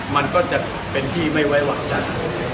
มันก็จะเป็นที่ไม่ไว้วางใจ